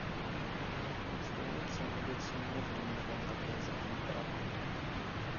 Na stejnou cenu byl snímek nominován také za výpravu.